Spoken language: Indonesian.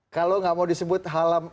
kalau nggak mau disebut halal